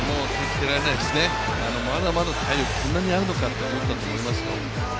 まだまだ体力、こんなにあるのかと思ったと思いますよ。